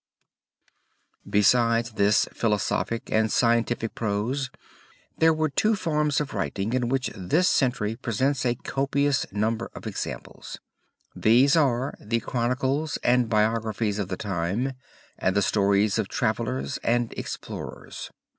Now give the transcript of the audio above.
Besides this philosophic and scientific prose, there were two forms of writing of which this century presents a copious number of examples. These are the chronicles and biographies of the time and the stories of travelers and explorers.